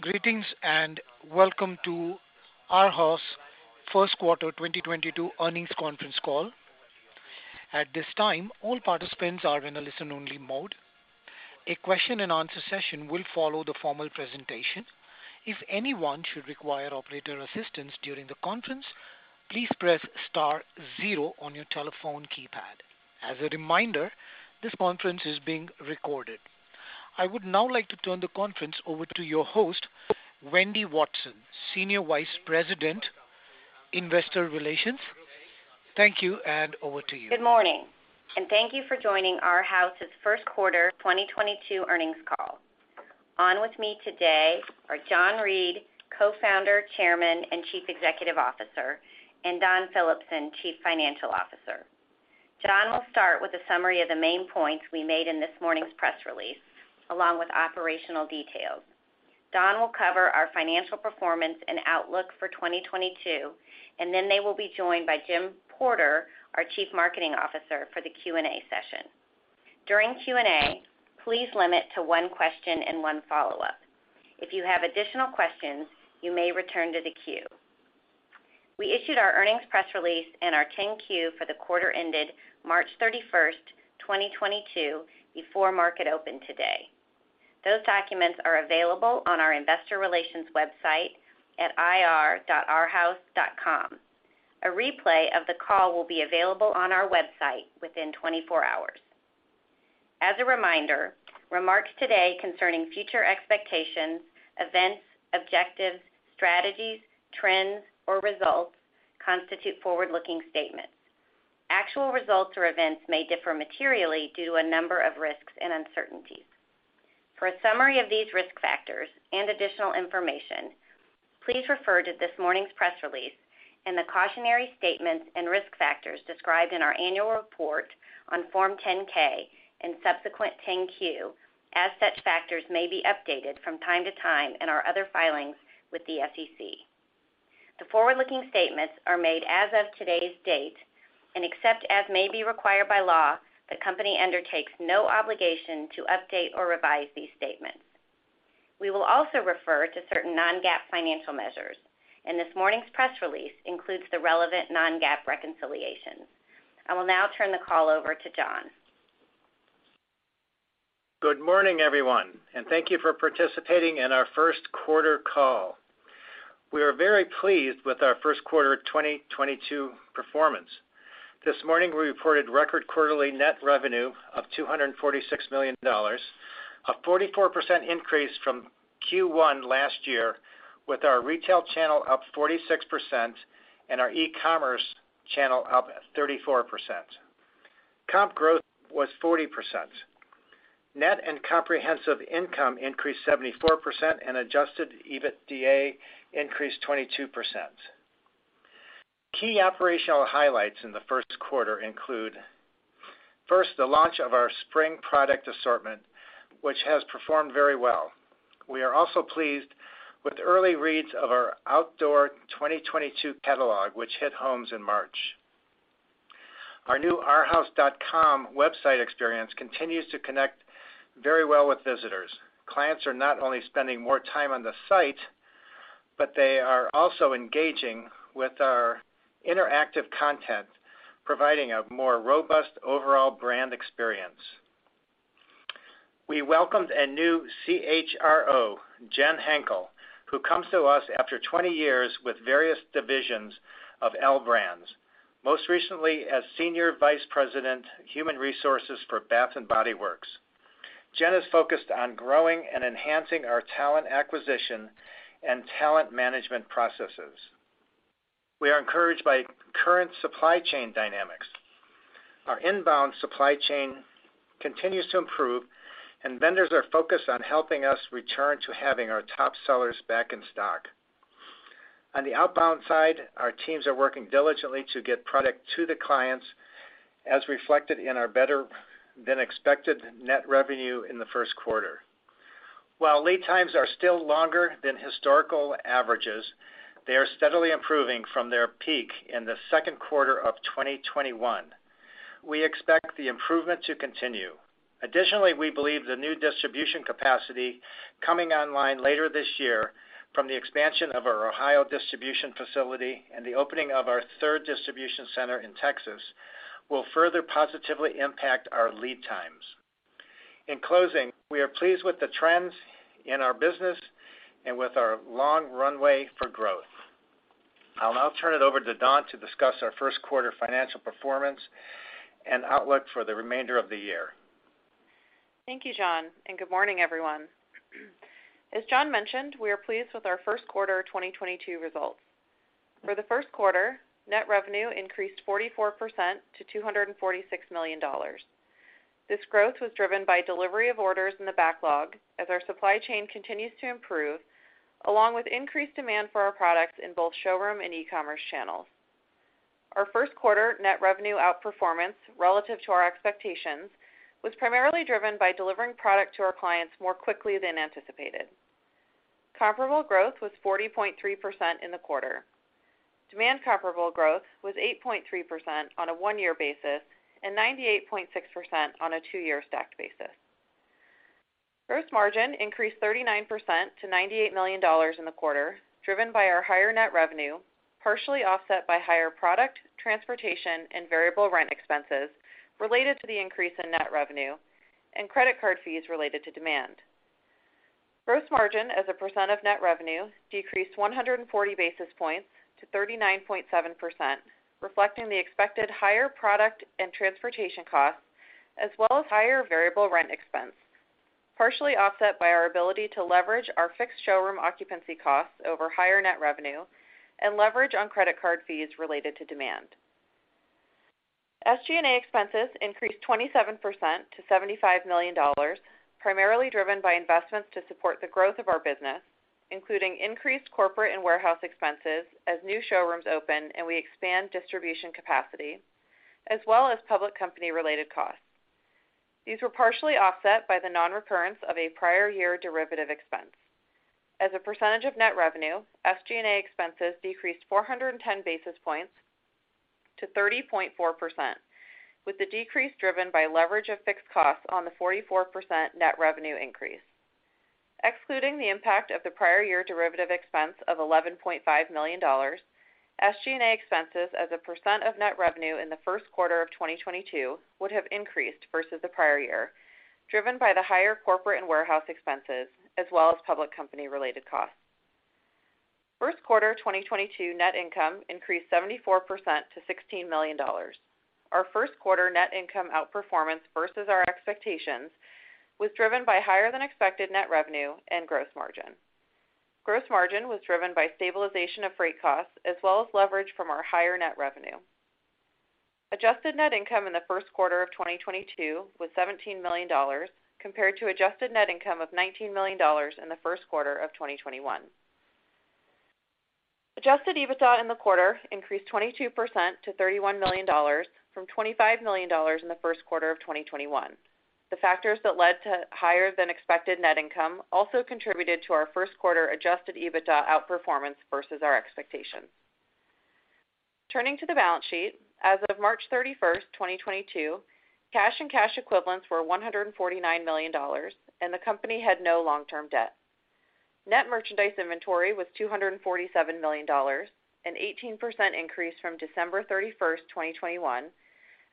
Greetings and welcome to Arhaus first quarter 2022 earnings conference call. At this time, all participants are in a listen-only mode. A question and answer session will follow the formal presentation. If anyone should require operator assistance during the conference, please press star zero on your telephone keypad. As a reminder, this conference is being recorded. I would now like to turn the conference over to your host, Wendy Watson, Senior Vice President, Investor Relations. Thank you, and over to you. Good morning, and thank you for joining Arhaus' first quarter 2022 earnings call. On with me today are John Reed, Co-Founder, Chairman, and Chief Executive Officer, and Dawn Phillipson, Chief Financial Officer. John will start with a summary of the main points we made in this morning's press release, along with operational details. Dawn will cover our financial performance and outlook for 2022, and then they will be joined by Jennifer Porter, our Chief Marketing Officer, for the Q&A session. During Q&A, please limit to one question and one follow-up. If you have additional questions, you may return to the queue. We issued our earnings press release and our 10-Q for the quarter ended March 31, 2022, before market open today. Those documents are available on our investor relations website at ir.arhaus.com. A replay of the call will be available on our website within 24 hours. As a reminder, remarks today concerning future expectations, events, objectives, strategies, trends, or results constitute forward-looking statements. Actual results or events may differ materially due to a number of risks and uncertainties. For a summary of these risk factors and additional information, please refer to this morning's press release and the cautionary statements and risk factors described in our annual report on Form 10-K and subsequent 10-Q, as such factors may be updated from time to time in our other filings with the SEC. The forward-looking statements are made as of today's date, and except as may be required by law, the company undertakes no obligation to update or revise these statements. We will also refer to certain non-GAAP financial measures, and this morning's press release includes the relevant non-GAAP reconciliations. I will now turn the call over to John. Good morning, everyone, and thank you for participating in our first quarter call. We are very pleased with our first quarter 2022 performance. This morning, we reported record quarterly net revenue of $246 million, a 44% increase from Q1 last year, with our retail channel up 46% and our e-commerce channel up 34%. Comp growth was 40%. Net and comprehensive income increased 74%, and adjusted EBITDA increased 22%. Key operational highlights in the first quarter include, first, the launch of our spring product assortment, which has performed very well. We are also pleased with early reads of our outdoor 2022 catalog, which hit homes in March. Our new arhaus.com website experience continues to connect very well with visitors. Clients are not only spending more time on the site, but they are also engaging with our interactive content, providing a more robust overall brand experience. We welcomed a new CHRO, Jen Hinkle, who comes to us after 20 years with various divisions of L Brands, most recently as Senior Vice President, Human Resources for Bath & Body Works. Jen is focused on growing and enhancing our talent acquisition and talent management processes. We are encouraged by current supply chain dynamics. Our inbound supply chain continues to improve and vendors are focused on helping us return to having our top sellers back in stock. On the outbound side, our teams are working diligently to get product to the clients, as reflected in our better-than-expected net revenue in the first quarter. While lead times are still longer than historical averages, they are steadily improving from their peak in the second quarter of 2021. We expect the improvement to continue. Additionally, we believe the new distribution capacity coming online later this year from the expansion of our Ohio distribution facility and the opening of our third distribution center in Texas will further positively impact our lead times. In closing, we are pleased with the trends in our business and with our long runway for growth. I'll now turn it over to Dawn to discuss our first quarter financial performance and outlook for the remainder of the year. Thank you, John, and good morning, everyone. As John mentioned, we are pleased with our first quarter 2022 results. For the first quarter, net revenue increased 44% to $246 million. This growth was driven by delivery of orders in the backlog as our supply chain continues to improve, along with increased demand for our products in both showroom and e-commerce channels. Our first quarter net revenue outperformance relative to our expectations was primarily driven by delivering product to our clients more quickly than anticipated. Comparable growth was 40.3% in the quarter. Demand comparable growth was 8.3% on a one-year basis and 98.6% on a two-year stacked basis. Gross margin increased 39% to $98 million in the quarter, driven by our higher net revenue, partially offset by higher product, transportation and variable rent expenses related to the increase in net revenue and credit card fees related to demand. Gross margin as a percent of net revenue decreased 140 basis points to 39.7%, reflecting the expected higher product and transportation costs as well as higher variable rent expense, partially offset by our ability to leverage our fixed showroom occupancy costs over higher net revenue and leverage on credit card fees related to demand. SG&A expenses increased 27% to $75 million, primarily driven by investments to support the growth of our business, including increased corporate and warehouse expenses as new showrooms open and we expand distribution capacity, as well as public company related costs. These were partially offset by the non-recurrence of a prior year derivative expense. As a percentage of net revenue, SG&A expenses decreased 410 basis points to 30.4%, with the decrease driven by leverage of fixed costs on the 44% net revenue increase. Excluding the impact of the prior year derivative expense of $11.5 million, SG&A expenses as a percent of net revenue in the first quarter of 2022 would have increased versus the prior year, driven by the higher corporate and warehouse expenses as well as public company related costs. First quarter 2022 net income increased 74% to $16 million. Our first quarter net income outperformance versus our expectations was driven by higher than expected net revenue and gross margin. Gross margin was driven by stabilization of freight costs as well as leverage from our higher net revenue. Adjusted net income in the first quarter of 2022 was $17 million, compared to adjusted net income of $19 million in the first quarter of 2021. Adjusted EBITDA in the quarter increased 22% to $31 million from $25 million in the first quarter of 2021. The factors that led to higher than expected net income also contributed to our first quarter adjusted EBITDA outperformance versus our expectations. Turning to the balance sheet. As of March 31, 2022, cash and cash equivalents were $149 million and the company had no long-term debt. Net merchandise inventory was $247 million, an 18% increase from December 31, 2021,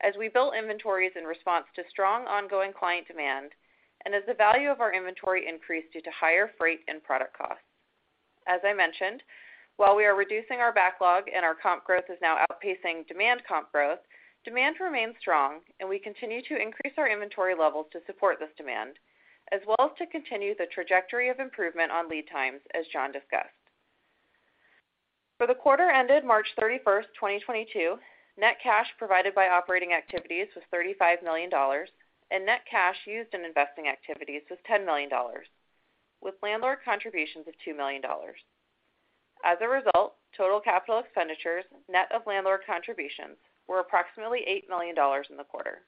as we built inventories in response to strong ongoing client demand and as the value of our inventory increased due to higher freight and product costs. As I mentioned, while we are reducing our backlog and our comp growth is now outpacing demand comp growth, demand remains strong and we continue to increase our inventory levels to support this demand, as well as to continue the trajectory of improvement on lead times, as John discussed. For the quarter ended March 31, 2022, net cash provided by operating activities was $35 million and net cash used in investing activities was $10 million, with landlord contributions of $2 million. As a result, total capital expenditures, net of landlord contributions, were approximately $8 million in the quarter.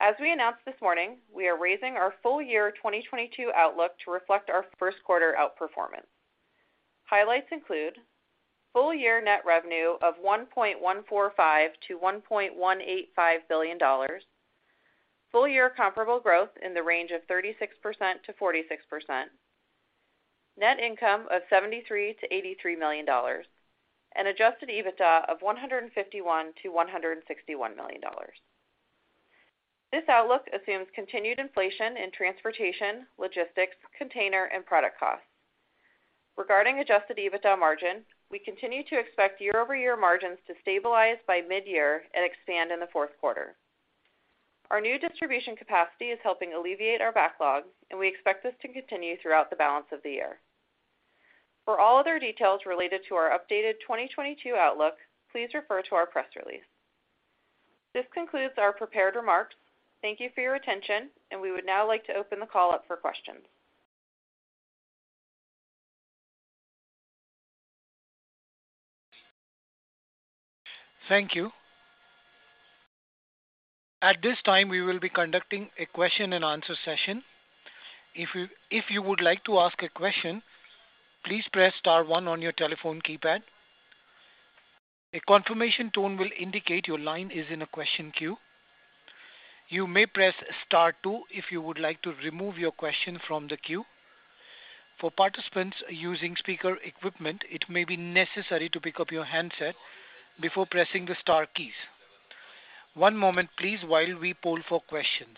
As we announced this morning, we are raising our full year 2022 outlook to reflect our first quarter outperformance. Highlights include full year net revenue of $1.145 billion-$1.185 billion, full year comparable growth in the range of 36%-46%, net income of $73 million-$83 million, and adjusted EBITDA of $151 million-$161 million. This outlook assumes continued inflation in transportation, logistics, container, and product costs. Regarding adjusted EBITDA margin, we continue to expect year-over-year margins to stabilize by mid-year and expand in the fourth quarter. Our new distribution capacity is helping alleviate our backlog, and we expect this to continue throughout the balance of the year. For all other details related to our updated 2022 outlook, please refer to our press release. This concludes our prepared remarks. Thank you for your attention, and we would now like to open the call up for questions. Thank you. At this time, we will be conducting a question and answer session. If you would like to ask a question, please press star one on your telephone keypad. A confirmation tone will indicate your line is in a question queue. You may press star two if you would like to remove your question from the queue. For participants using speaker equipment, it may be necessary to pick up your handset before pressing the star keys. One moment please while we poll for questions.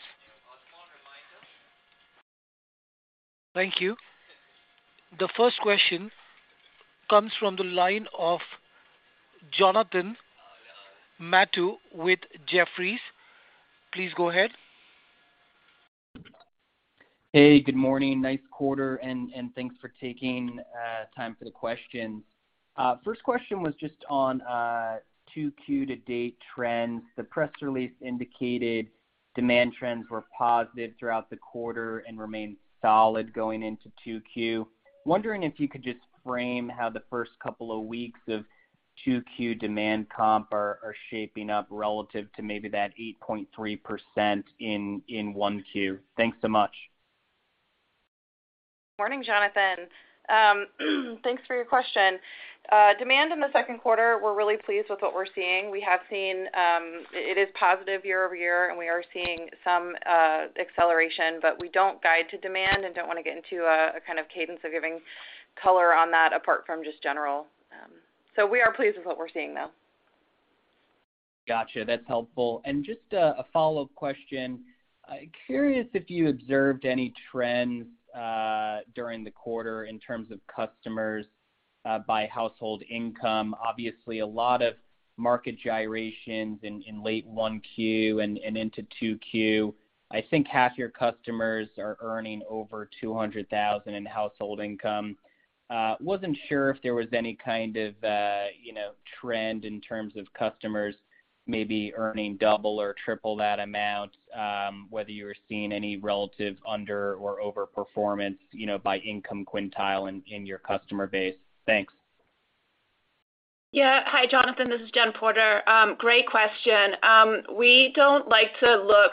Thank you. The first question comes from the line of Jonathan Matuszewski with Jefferies. Please go ahead. Hey, good morning. Nice quarter, and thanks for taking time for the questions. First question was just on 2Q to-date trends. The press release indicated demand trends were positive throughout the quarter and remain solid going into 2Q. Wondering if you could just frame how the first couple of weeks of 2Q demand comp are shaping up relative to maybe that 8.3% in 1Q. Thanks so much. Morning, Jonathan. Thanks for your question. Demand in the second quarter, we're really pleased with what we're seeing. We have seen, it is positive year-over-year, and we are seeing some acceleration, but we don't guide to demand and don't wanna get into a kind of cadence of giving color on that apart from just general. We are pleased with what we're seeing, though. Gotcha. That's helpful. Just a follow-up question. Curious if you observed any trends during the quarter in terms of customers by household income. Obviously, a lot of market gyrations in late 1Q and into 2Q. I think half your customers are earning over 200,000 in household income. Wasn't sure if there was any kind of, you know, trend in terms of customers maybe earning double or triple that amount, whether you were seeing any relative under or over performance, you know, by income quintile in your customer base. Thanks. Yeah. Hi, Jonathan. This is Jennifer Porter. Great question. We don't like to look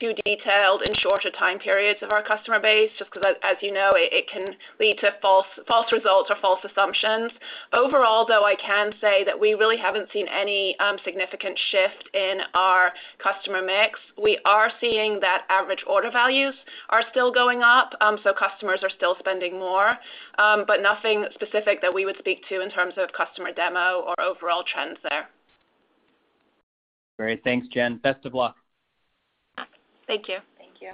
too detailed in shorter time periods of our customer base just 'cause as you know, it can lead to false results or false assumptions. Overall, though, I can say that we really haven't seen any significant shift in our customer mix. We are seeing that average order values are still going up, so customers are still spending more, but nothing specific that we would speak to in terms of customer demo or overall trends there. Great. Thanks, Jen. Best of luck. Thank you. Thank you.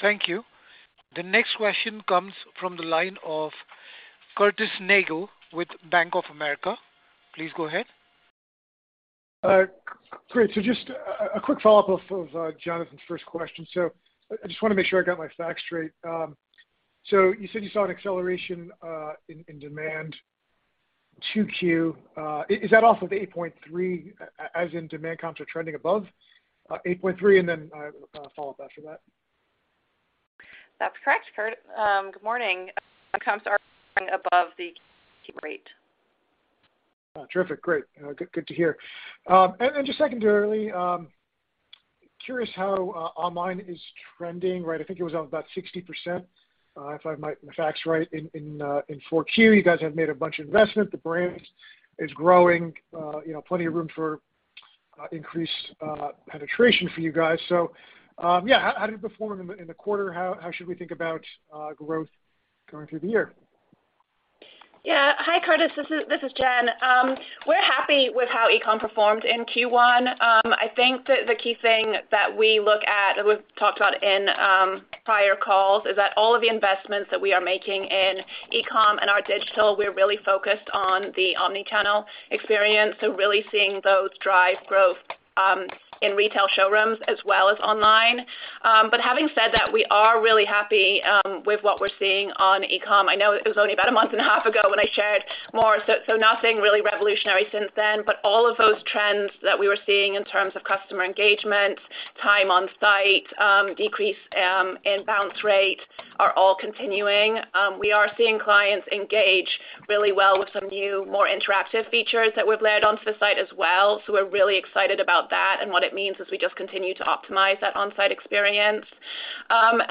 Thank you. The next question comes from the line of Curtis Nagle with Bank of America. Please go ahead. Great. Just a quick follow-up off of Jonathan's first question. I just wanna make sure I got my facts straight. You said you saw an acceleration in demand 2Q. Is that off of 8.3% as in demand comps are trending above 8.3%? I will follow up after that. That's correct, Curtis. Good morning. Comps are above the rate. Terrific. Great. Good to hear. Just secondarily, curious how online is trending, right? I think it was up about 60%, if I have my facts right in 4Q. You guys have made a bunch of investment. The brand is growing, you know, plenty of room for increased penetration for you guys. Yeah. How did it perform in the quarter? How should we think about growth going through the year? Yeah. Hi, Curtis. This is Jen. We're happy with how e-comm performed in Q1. I think the key thing that we look at, that we've talked about in prior calls is that all of the investments that we are making in e-comm and our digital, we're really focused on the omni-channel experience, so really seeing those drive growth in retail showrooms as well as online. Having said that, we are really happy with what we're seeing on e-comm. I know it was only about a month and a half ago when I shared more, so nothing really revolutionary since then. All of those trends that we were seeing in terms of customer engagement, time on site, decrease in bounce rate are all continuing. We are seeing clients engage really well with some new, more interactive features that we've layered onto the site as well, so we're really excited about that and what it means as we just continue to optimize that on-site experience.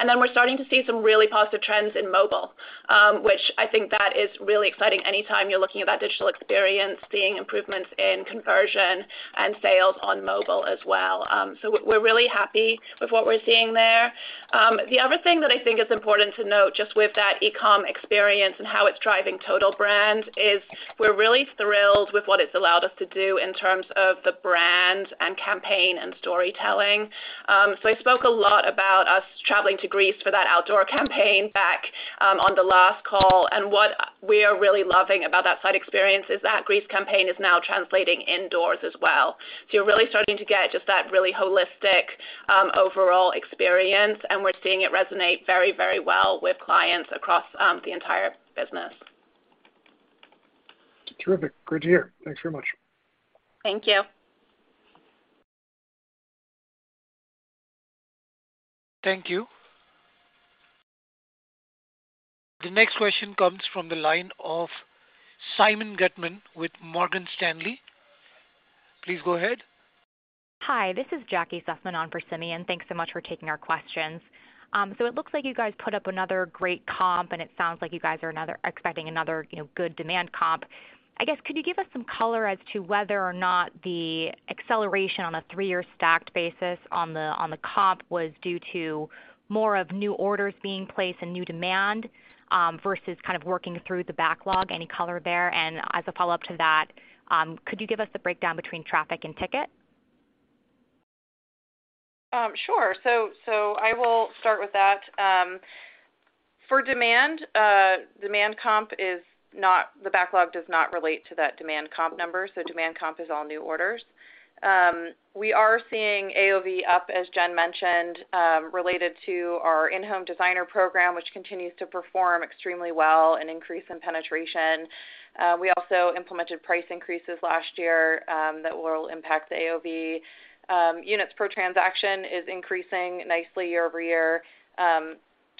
Then we're starting to see some really positive trends in mobile, which I think that is really exciting anytime you're looking at that digital experience, seeing improvements in conversion and sales on mobile as well. So we're really happy with what we're seeing there. The other thing that I think is important to note just with that e-comm experience and how it's driving total brand is we're really thrilled with what it's allowed us to do in terms of the brand and campaign and storytelling. I spoke a lot about us traveling to Greece for that outdoor campaign back on the last call, and what we are really loving about that sight experience is that Greece campaign is now translating indoors as well. You're really starting to get just that really holistic overall experience, and we're seeing it resonate very, very well with clients across the entire business. Terrific. Great to hear. Thanks very much. Thank you. Thank you. The next question comes from the line of Simeon Gutman with Morgan Stanley. Please go ahead. Hi, this is Jackie Sussman on for Simeon. Thanks so much for taking our questions. So it looks like you guys put up another great comp, and it sounds like you guys are expecting another, you know, good demand comp. I guess, could you give us some color as to whether or not the acceleration on a three-year stacked basis on the comp was due to more of new orders being placed and new demand versus kind of working through the backlog? Any color there? And as a follow-up to that, could you give us a breakdown between traffic and ticket? Sure. I will start with that. For demand, the backlog does not relate to that demand comp number, so demand comp is all new orders. We are seeing AOV up, as Jen mentioned, related to our in-home designer program, which continues to perform extremely well and increase in penetration. We also implemented price increases last year that will impact the AOV. Units per transaction is increasing nicely year-over-year.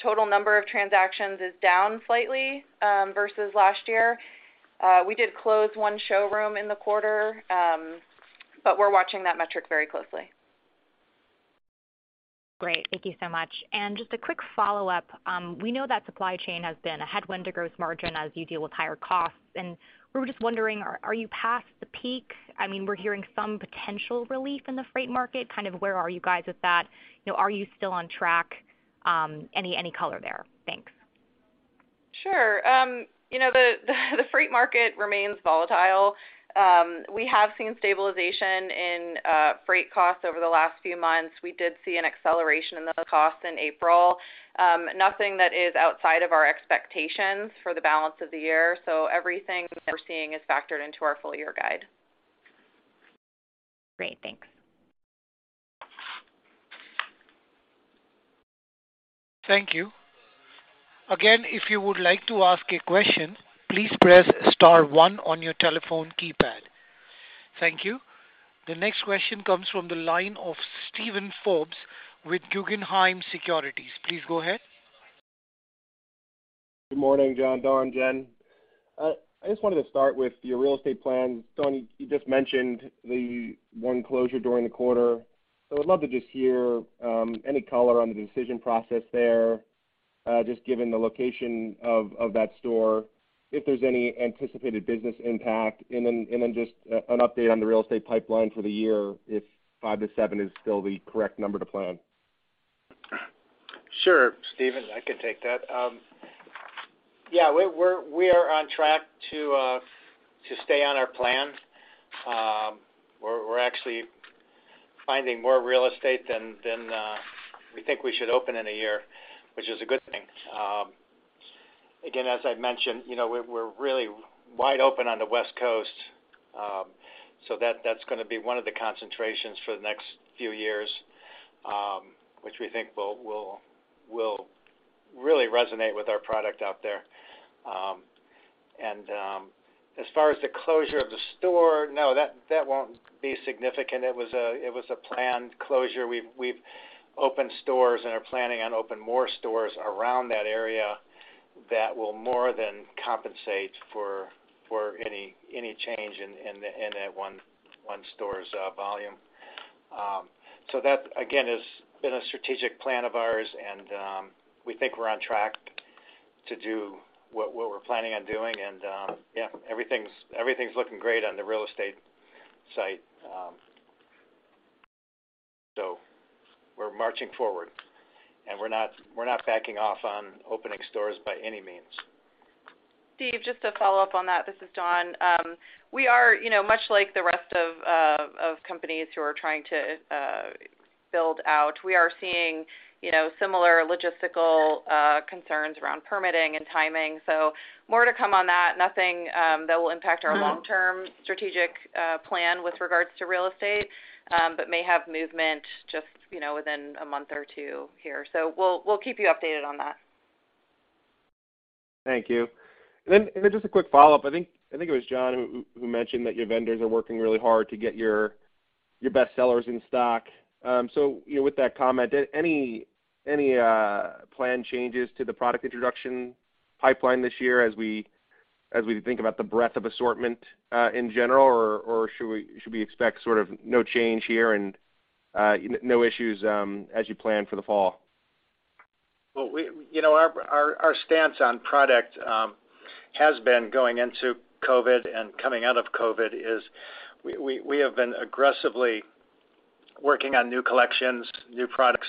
Total number of transactions is down slightly versus last year. We did close one showroom in the quarter, but we're watching that metric very closely. Great. Thank you so much. Just a quick follow-up. We know that supply chain has been a headwind to gross margin as you deal with higher costs, and we were just wondering, are you past the peak? I mean, we're hearing some potential relief in the freight market. Kind of where are you guys with that? You know, are you still on track? Any color there? Thanks. Sure. You know, the freight market remains volatile. We have seen stabilization in freight costs over the last few months. We did see an acceleration in the costs in April. Nothing that is outside of our expectations for the balance of the year. Everything we're seeing is factored into our full year guide. Great. Thanks. Thank you. Again, if you would like to ask a question, please press star one on your telephone keypad. Thank you. The next question comes from the line of Steven Forbes with Guggenheim Securities. Please go ahead. Good morning, John, Dawn, Jen. I just wanted to start with your real estate plans. Dawn, you just mentioned the 1 closure during the quarter. I would love to just hear any color on the decision process there, just given the location of that store, if there's any anticipated business impact, and then just an update on the real estate pipeline for the year, if 5-7 is still the correct number to plan. Sure. Steven, I can take that. Yeah, we are on track to stay on our plan. We're actually finding more real estate than we think we should open in a year, which is a good thing. Again, as I mentioned, you know, we're really wide open on the West Coast, so that's gonna be one of the concentrations for the next few years, which we think will really resonate with our product out there. As far as the closure of the store, no, that won't be significant. It was a planned closure. We've opened stores and are planning on opening more stores around that area that will more than compensate for any change in that one store's volume. That again has been a strategic plan of ours, and we think we're on track to do what we're planning on doing. Yeah, everything's looking great on the real estate side. We're marching forward, and we're not backing off on opening stores by any means. Steve, just to follow up on that, this is Dawn. We are, you know, much like the rest of companies who are trying to build out. We are seeing, you know, similar logistical concerns around permitting and timing. More to come on that. Nothing that will impact our long-term strategic plan with regards to real estate, but may have movement just, you know, within a month or two here. We'll keep you updated on that. Thank you. Just a quick follow-up. I think it was John who mentioned that your vendors are working really hard to get your best sellers in stock. So, you know, with that comment, any plan changes to the product introduction pipeline this year as we think about the breadth of assortment in general, or should we expect sort of no change here and no issues as you plan for the fall? Well, you know, our stance on product has been going into COVID and coming out of COVID is we have been aggressively working on new collections, new products,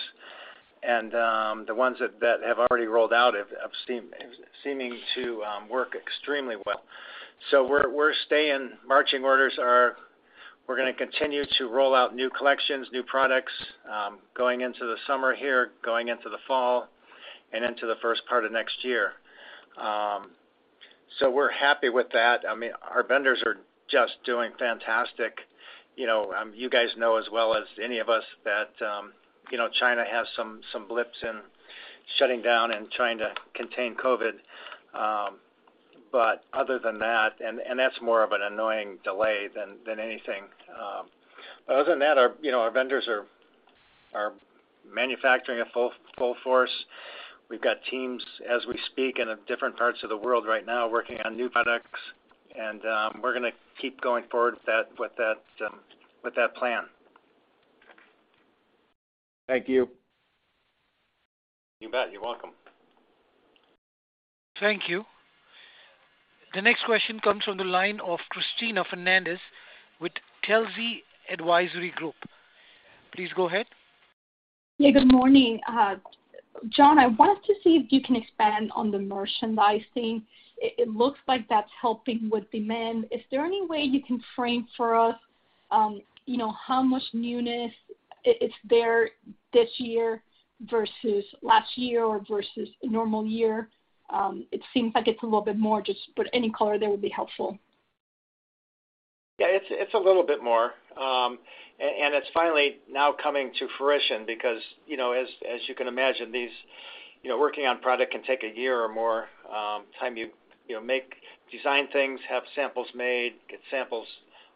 and the ones that have already rolled out have seemed to work extremely well. Marching orders are we're gonna continue to roll out new collections, new products going into the summer here, going into the fall and into the first part of next year. So we're happy with that. I mean, our vendors are just doing fantastic. You know, you guys know as well as any of us that you know, China has some blips in shutting down and trying to contain COVID. But other than that's more of an annoying delay than anything. Other than that, our, you know, our vendors are manufacturing at full force. We've got teams as we speak in different parts of the world right now working on new products, and we're gonna keep going forward with that plan. Thank you. You bet. You're welcome. Thank you. The next question comes from the line of Cristina Fernandez with Telsey Advisory Group. Please go ahead. Yeah, good morning. John, I wanted to see if you can expand on the merchandising. It looks like that's helping with demand. Is there any way you can frame for us, you know, how much newness is there this year versus last year or versus a normal year? It seems like it's a little bit more, just but any color there would be helpful. Yeah, it's a little bit more. It's finally now coming to fruition because, you know, as you can imagine, these, you know, working on product can take a year or more, time you know, design things, have samples made, get samples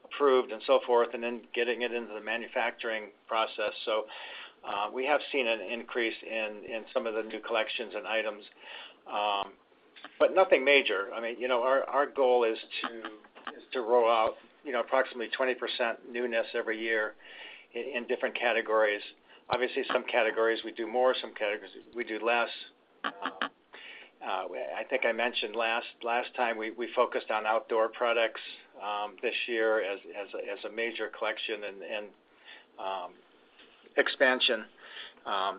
approved and so forth, and then getting it into the manufacturing process. We have seen an increase in some of the new collections and items, but nothing major. I mean, you know, our goal is to roll out, you know, approximately 20% newness every year in different categories. Obviously, some categories we do more, some categories we do less. I think I mentioned last time we focused on outdoor products this year as a major collection and expansion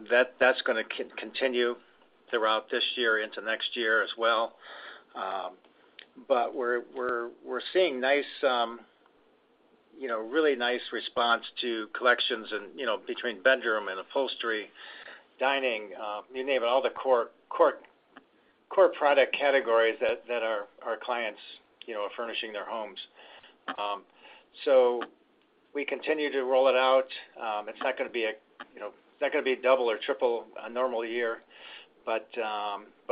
that's gonna continue throughout this year into next year as well. We're seeing nice you know really nice response to collections and you know between bedroom and upholstery, dining, you name it, all the core product categories that our clients you know are furnishing their homes. We continue to roll it out. It's not gonna be you know double or triple a normal year, but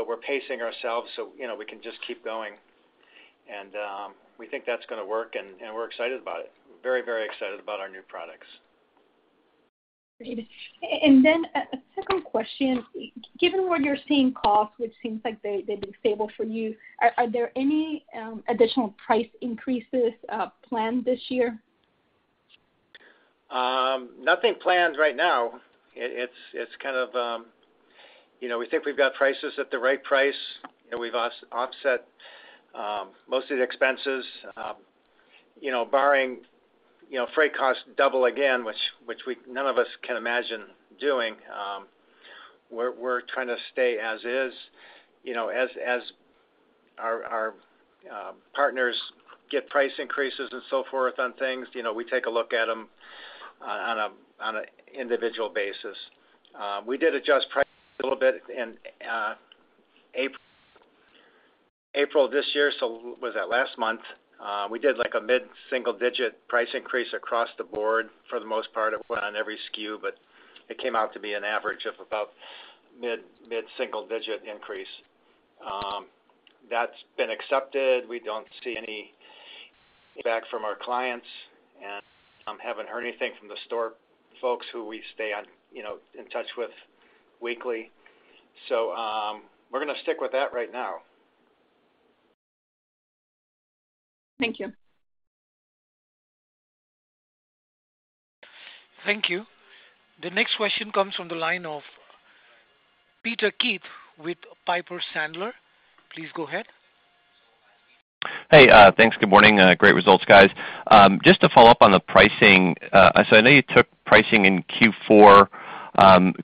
we're pacing ourselves so you know we can just keep going. We think that's gonna work, and we're excited about it. Very excited about our new products. Then a second question. Given what you're seeing in costs, which seems like they've been stable for you, are there any additional price increases planned this year? Nothing planned right now. It's kind of, you know, we think we've got prices at the right price, and we've offset most of the expenses. You know, barring, you know, freight costs double again, which none of us can imagine doing, we're trying to stay as is. You know, as our partners get price increases and so forth on things, you know, we take a look at them on an individual basis. We did adjust price a little bit in April this year, so what was that? Last month. We did like a mid-single digit price increase across the board for the most part. It went on every SKU, but it came out to be an average of about mid-single digit increase. That's been accepted. We don't see any pushback from our clients, and I haven't heard anything from the store folks who we stay on, you know, in touch with weekly. We're gonna stick with that right now. Thank you. Thank you. The next question comes from the line of Peter Keith with Piper Sandler. Please go ahead. Hey, thanks. Good morning. Great results, guys. Just to follow up on the pricing. So I know you took pricing in Q4.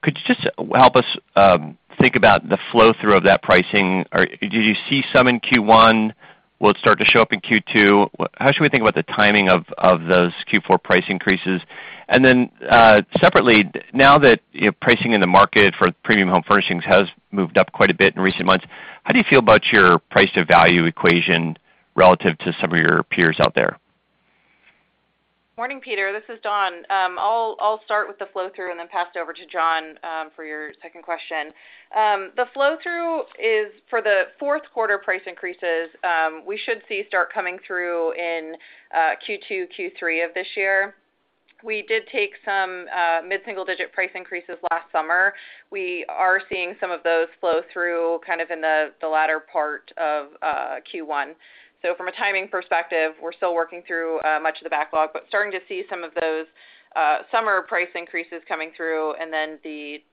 Could you just help us think about the flow-through of that pricing? Or did you see some in Q1? Will it start to show up in Q2? How should we think about the timing of those Q4 price increases? Separately, now that, you know, pricing in the market for premium home furnishings has moved up quite a bit in recent months, how do you feel about your price to value equation relative to some of your peers out there? Morning, Peter. This is Dawn. I'll start with the flow-through and then pass it over to John for your second question. The flow-through is for the fourth quarter price increases. We should see start coming through in Q2, Q3 of this year. We did take some mid-single digit price increases last summer. We are seeing some of those flow through kind of in the latter part of Q1. From a timing perspective, we're still working through much of the backlog, but starting to see some of those summer price increases coming through, and then the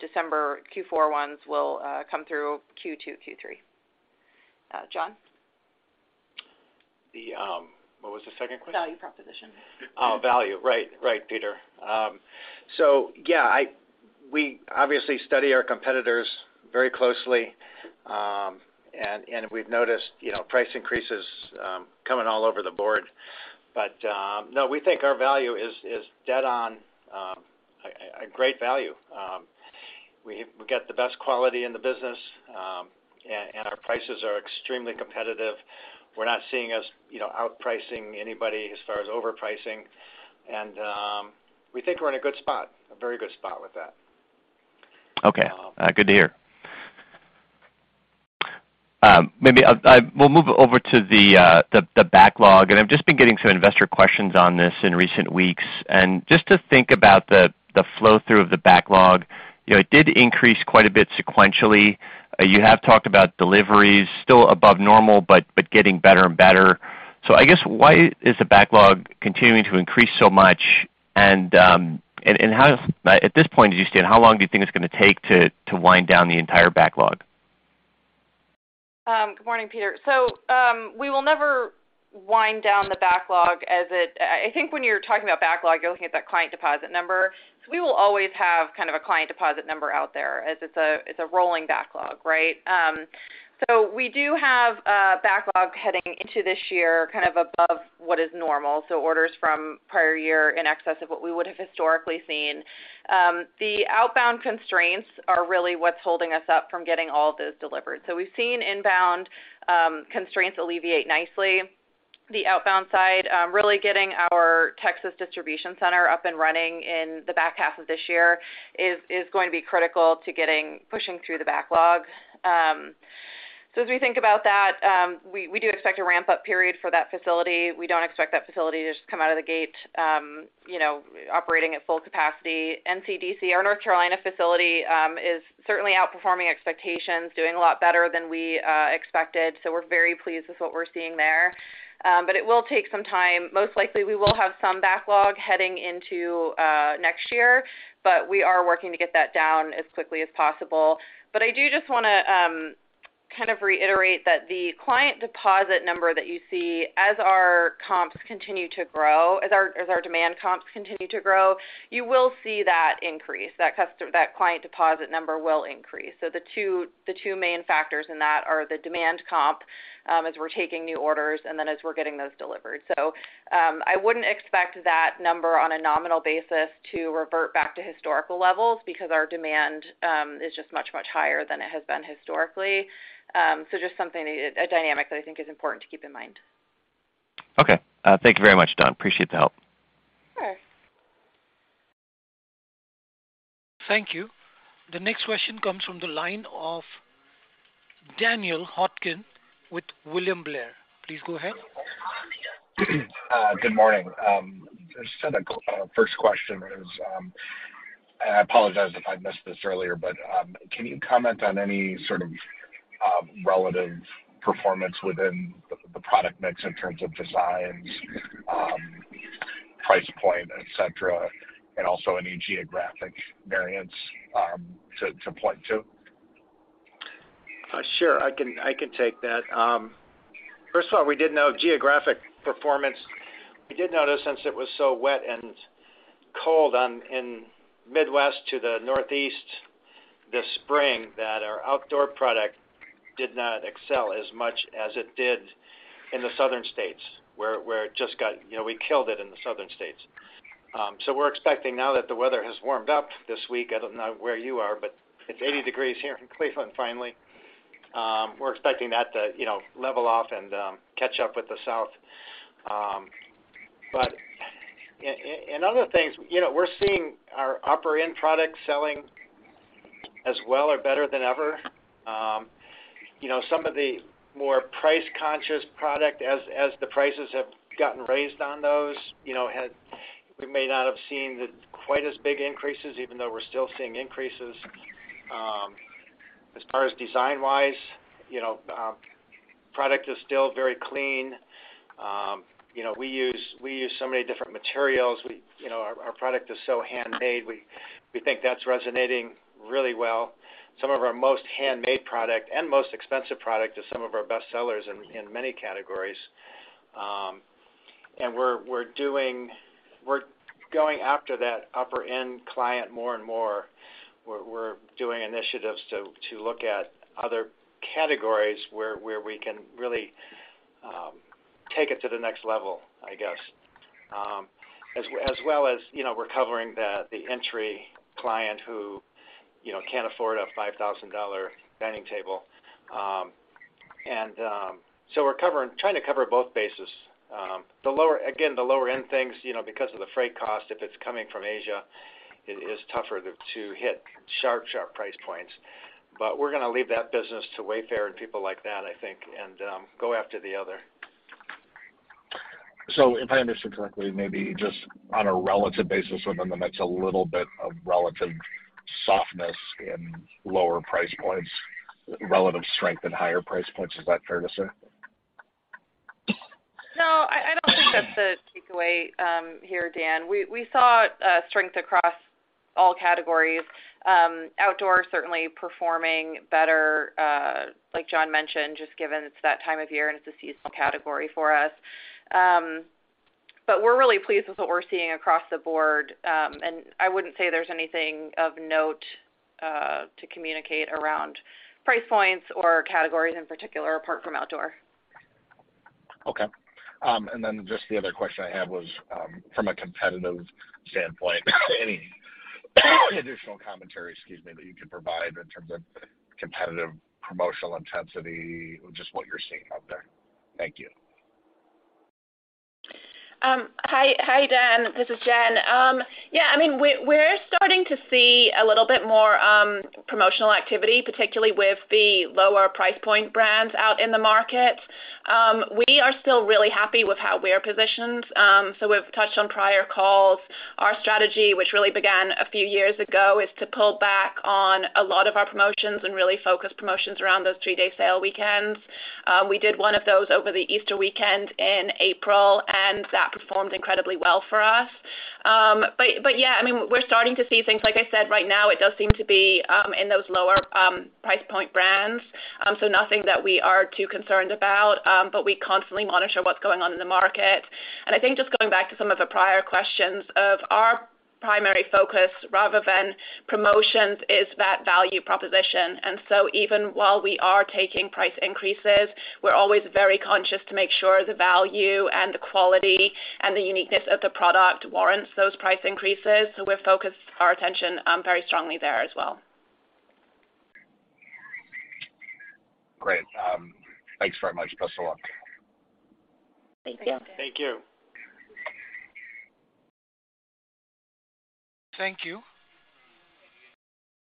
December Q4 ones will come through Q2, Q3. John? What was the second question? Value proposition. Oh, value. Right. Right, Peter. Yeah, we obviously study our competitors very closely, and we've noticed, you know, price increases coming all over the board. No, we think our value is dead on, a great value. We got the best quality in the business, and our prices are extremely competitive. We're not seeing ourselves, you know, outpricing anybody as far as overpricing. We think we're in a good spot, a very good spot with that. Okay. Um. Good to hear. We'll move over to the backlog. I've just been getting some investor questions on this in recent weeks. Just to think about the flow-through of the backlog, you know, it did increase quite a bit sequentially. You have talked about deliveries still above normal, but getting better and better. I guess why is the backlog continuing to increase so much? At this point, as you stand, how long do you think it's gonna take to wind down the entire backlog? Good morning, Peter. We will never wind down the backlog. I think when you're talking about backlog, you're looking at that client deposit number. We will always have kind of a client deposit number out there as it's a rolling backlog, right? We do have a backlog heading into this year, kind of above what is normal, so orders from prior year in excess of what we would have historically seen. The outbound constraints are really what's holding us up from getting all of those delivered. We've seen inbound constraints alleviate nicely. The outbound side, really getting our Texas distribution center up and running in the back half of this year is going to be critical to getting, pushing through the backlog. As we think about that, we do expect a ramp-up period for that facility. We don't expect that facility to just come out of the gate, you know, operating at full capacity. NC DC, our North Carolina facility, is certainly outperforming expectations, doing a lot better than we expected, so we're very pleased with what we're seeing there. It will take some time. Most likely, we will have some backlog heading into next year, but we are working to get that down as quickly as possible. I do just wanna kind of reiterate that the client deposit number that you see as our comps continue to grow, as our demand comps continue to grow, you will see that increase. That client deposit number will increase. The two main factors in that are the demand comp, as we're taking new orders and then as we're getting those delivered. I wouldn't expect that number on a nominal basis to revert back to historical levels because our demand is just much higher than it has been historically. Just something, a dynamic that I think is important to keep in mind. Okay. Thank you very much, Dawn. Appreciate the help. Sure. Thank you. The next question comes from the line of Daniel Hofkin with William Blair. Please go ahead. Good morning. Just had a first question is, I apologize if I missed this earlier, but can you comment on any sort of relative performance within the product mix in terms of designs, price point, et cetera, and also any geographic variance to point to? Sure. I can take that. First of all, we did note geographic performance. We did notice since it was so wet and cold in the Midwest to the Northeast this spring, that our outdoor product did not excel as much as it did in the Southern states, where it just got you know, we killed it in the Southern states. We're expecting now that the weather has warmed up this week, I don't know where you are, but it's 80 degrees here in Cleveland finally. We're expecting that to you know, level off and catch up with the South. In other things, you know, we're seeing our upper end products selling as well or better than ever. You know, some of the more price-conscious product as the prices have gotten raised on those, you know, we may not have seen quite as big increases even though we're still seeing increases. As far as design-wise, you know, product is still very clean. You know, we use so many different materials. You know, our product is so handmade. We think that's resonating really well. Some of our most handmade product and most expensive product is some of our best sellers in many categories. We're going after that upper end client more and more. We're doing initiatives to look at other categories where we can really take it to the next level, I guess. As well as, you know, we're covering the entry client who, you know, can't afford a $5,000 dining table. We're trying to cover both bases. Again, the lower end things, you know, because of the freight cost, if it's coming from Asia, it is tougher to hit sharp price points. But we're gonna leave that business to Wayfair and people like that, I think, and go after the other. If I understand correctly, maybe just on a relative basis within the mix, a little bit of relative softness in lower price points, relative strength in higher price points. Is that fair to say? No. I don't think that's a takeaway here, Dan. We saw strength across all categories. Outdoor certainly performing better, like John mentioned, just given it's that time of year and it's a seasonal category for us. We're really pleased with what we're seeing across the board. I wouldn't say there's anything of note to communicate around price points or categories in particular, apart from outdoor. Okay. Just the other question I had was, from a competitive standpoint, any additional commentary, excuse me, that you could provide in terms of competitive promotional intensity or just what you're seeing out there. Thank you. Hi. Hi, Dan. This is Jen. Yeah, I mean, we're starting to see a little bit more promotional activity, particularly with the lower price point brands out in the market. We are still really happy with how we're positioned. We've touched on prior calls. Our strategy, which really began a few years ago, is to pull back on a lot of our promotions and really focus promotions around those three-day sale weekends. We did one of those over the Easter weekend in April, and that performed incredibly well for us. But yeah, I mean, we're starting to see things. Like I said, right now, it does seem to be in those lower price point brands, so nothing that we are too concerned about. We constantly monitor what's going on in the market. I think just going back to some of the prior questions of our primary focus rather than promotions is that value proposition. Even while we are taking price increases, we're always very conscious to make sure the value and the quality and the uniqueness of the product warrants those price increases. We're focused our attention very strongly there as well. Great. Thanks very much. Best of luck. Thank you. Thank you. Thank you.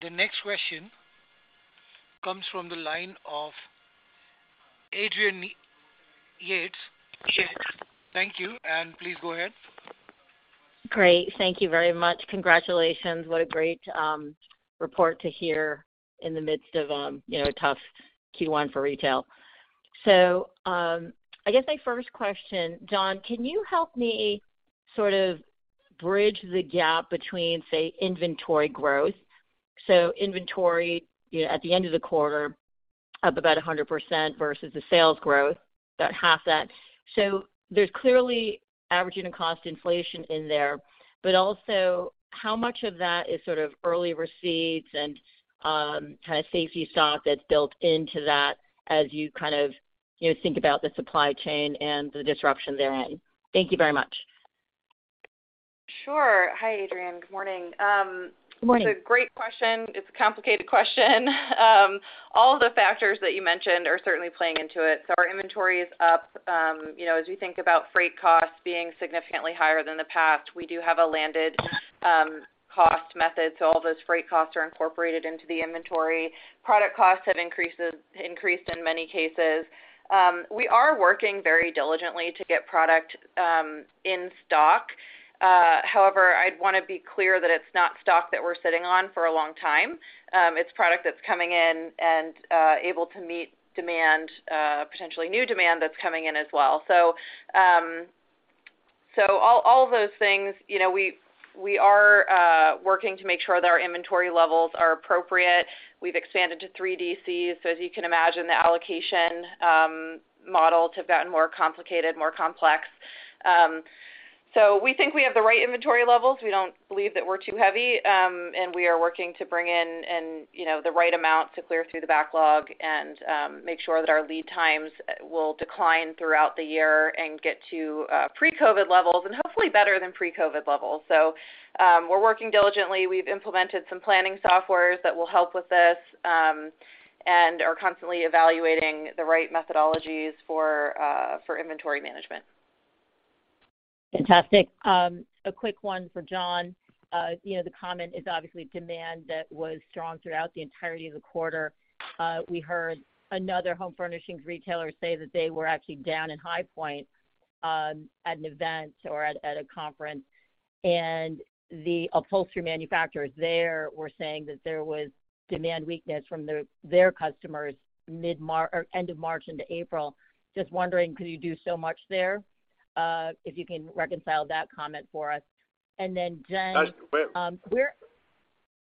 The next question comes from the line of Adrienne Yih. Thank you, and please go ahead. Great. Thank you very much. Congratulations. What a great report to hear in the midst of, you know, a tough Q1 for retail. I guess my first question, Dawn, can you help me sort of bridge the gap between, say, inventory growth, so inventory, you know, at the end of the quarter up about 100% versus the sales growth, about half that. There's clearly average unit cost inflation in there, but also how much of that is sort of early receipts and kind of safety stock that's built into that as you kind of, you know, think about the supply chain and the disruption therein? Thank you very much. Sure. Hi, Adrienne. Good morning. Good morning. It's a great question. It's a complicated question. All of the factors that you mentioned are certainly playing into it, so our inventory is up. You know, as you think about freight costs being significantly higher than the past, we do have a landed cost method, so all those freight costs are incorporated into the inventory. Product costs have increased in many cases. We are working very diligently to get product in stock. However, I'd wanna be clear that it's not stock that we're sitting on for a long time. It's product that's coming in and able to meet demand, potentially new demand that's coming in as well. So all of those things, you know, we are working to make sure that our inventory levels are appropriate. We've expanded to three DCs, so as you can imagine, the allocation models have gotten more complicated, more complex. We think we have the right inventory levels. We don't believe that we're too heavy, and we are working to bring in and, you know, the right amount to clear through the backlog and make sure that our lead times will decline throughout the year and get to pre-COVID levels and hopefully better than pre-COVID levels. We're working diligently. We've implemented some planning softwares that will help with this, and are constantly evaluating the right methodologies for inventory management. Fantastic. A quick one for John. You know, the comment is obviously demand that was strong throughout the entirety of the quarter. We heard another home furnishings retailer say that they were actually down in High Point, at an event or at a conference, and the upholstery manufacturers there were saying that there was demand weakness from their customers or end of March into April. Just wondering, could you do so much there? If you can reconcile that comment for us. Jen- Wait.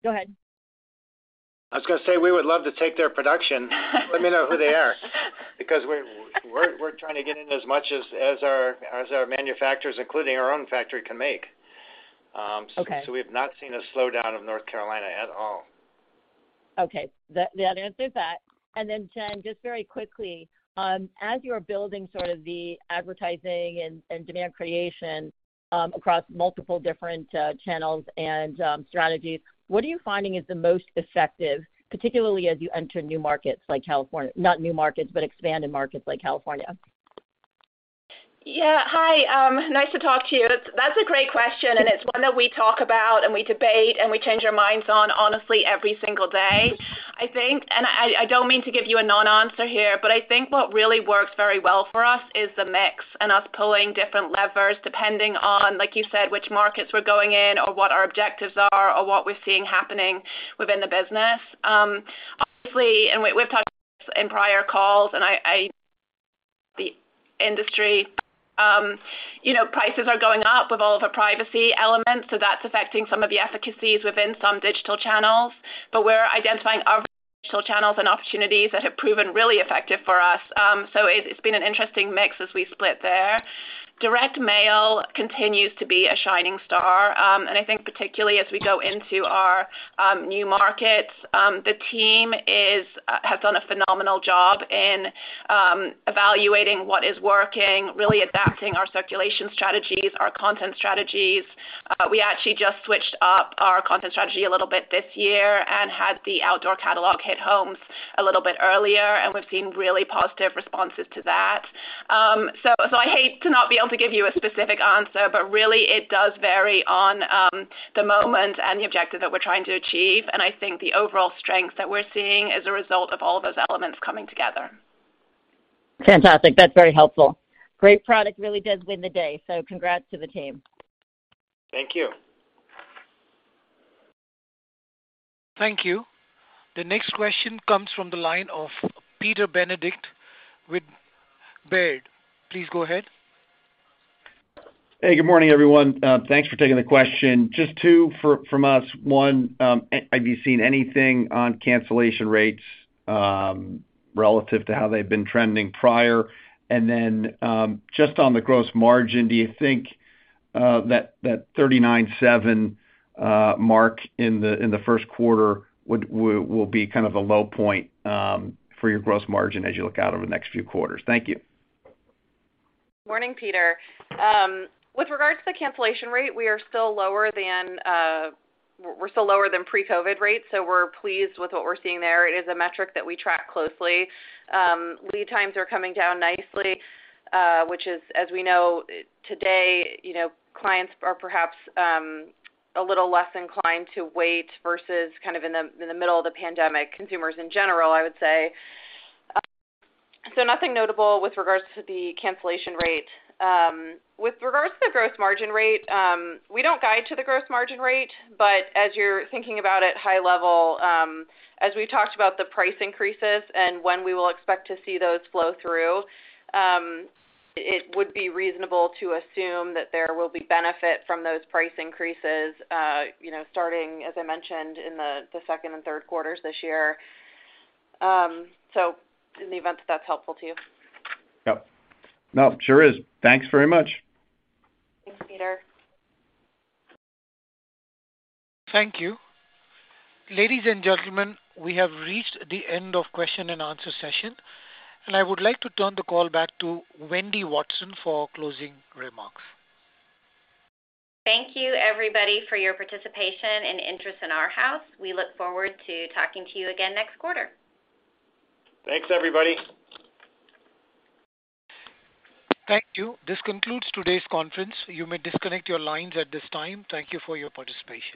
Go ahead. I was gonna say, we would love to take their production. Let me know who they are because we're trying to get in as much as our manufacturers, including our own factory, can make. Okay. We have not seen a slowdown of North Carolina at all. Okay. That answers that. Then, Jen, just very quickly, as you're building sort of the advertising and demand creation, across multiple different channels and strategies, what are you finding is the most effective, particularly as you enter new markets like California? Not new markets, but expanded markets like California? Yeah. Hi, nice to talk to you. That's a great question, and it's one that we talk about and we debate and we change our minds on honestly every single day. I think, I don't mean to give you a non-answer here, but I think what really works very well for us is the mix and us pulling different levers depending on, like you said, which markets we're going in or what our objectives are or what we're seeing happening within the business. Obviously, we've talked in prior calls. The industry, you know, prices are going up with all of the privacy elements, so that's affecting some of the efficiencies within some digital channels. But we're identifying our digital channels and opportunities that have proven really effective for us. It's been an interesting mix as we split there. Direct mail continues to be a shining star, and I think particularly as we go into our new markets, the team has done a phenomenal job in evaluating what is working, really adapting our circulation strategies, our content strategies. We actually just switched up our content strategy a little bit this year and how the outdoor catalogue hit home a little bit earlier, we've seen really positive responses to that. I hate to not be able to give you a specific answer, but really it does vary on the moment and the objective that we're trying to achieve. I think the overall strength that we're seeing is a result of all those elements coming together. Fantastic. That's very helpful. Great product really does win the day, so congrats to the team. Thank you. Thank you. The next question comes from the line of Peter Benedict with Baird. Please go ahead. Hey, good morning, everyone. Thanks for taking the question. Just two from us. One, have you seen anything on cancellation rates relative to how they've been trending prior? Then, just on the gross margin, do you think that 39.7 mark in the first quarter will be kind of a low point for your gross margin as you look out over the next few quarters? Thank you. Morning, Peter. With regards to the cancellation rate, we're still lower than pre-COVID rates, so we're pleased with what we're seeing there. It is a metric that we track closely. Lead times are coming down nicely, which is, as we know today, you know, clients are perhaps a little less inclined to wait versus kind of in the middle of the pandemic, consumers in general, I would say. Nothing notable with regards to the cancellation rate. With regards to the gross margin rate, we don't guide to the gross margin rate. As you're thinking about it high level, as we talked about the price increases and when we will expect to see those flow through, it would be reasonable to assume that there will be benefit from those price increases, you know, starting, as I mentioned, in the second and third quarters this year. In the event that that's helpful to you. Yep. No, sure is. Thanks very much. Thanks, Peter. Thank you. Ladies and gentlemen, we have reached the end of question and answer session, and I would like to turn the call back to Wendy Watson for closing remarks. Thank you everybody for your participation and interest in Arhaus. We look forward to talking to you again next quarter. Thanks, everybody. Thank you. This concludes today's conference. You may disconnect your lines at this time. Thank you for your participation.